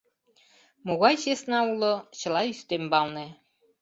Могай чесна уло — чыла ӱстембалне.